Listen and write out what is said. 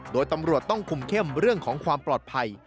โดยตำรวจต้องคุมเข้มเรื่องของความปลอดภัย